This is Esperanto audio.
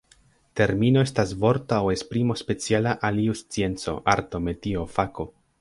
Termino estas vorto aŭ esprimo speciala al iu scienco, arto, metio, fako.